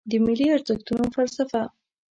د ملي ارزښتونو فلسفه